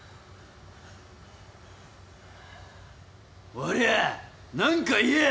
わりゃ何か言えや！